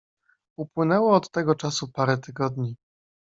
"Upłynęło od tego czasu parę tygodni."